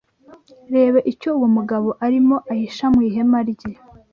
REBA icyo uwo mugabo arimo ahisha mu ihema rye